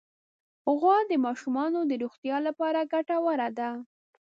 غوا د ماشومانو د روغتیا لپاره ګټوره ده.